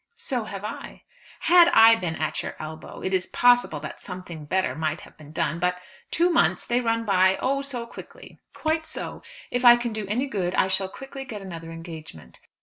"So have I." "Had I been at your elbow, it is possible that something better might have been done; but two months; they run by oh, so quickly!" "Quite so. If I can do any good I shall quickly get another engagement."